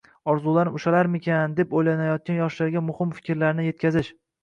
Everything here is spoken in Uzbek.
Orzularim ushalarmikin?» deb oʻylanayotgan yoshlarga muhim fikrlarni yetkazish.